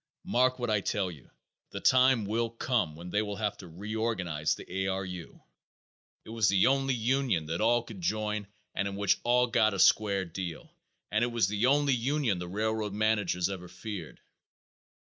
Mark what I tell you, the time will come when they will have to reorganize the A. R. U. It was the only union that all could join and in which all got a square deal, and it was the only union the railroad managers ever feared."